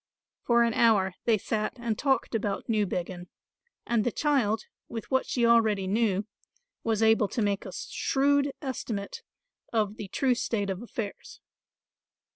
For an hour they sat and talked about Newbiggin; and the child, with what she already knew, was able to make a shrewd estimate of the true state of affairs.